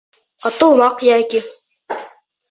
Атылмаҡ йәки